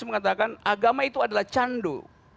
mengatakan agama itu adalah candu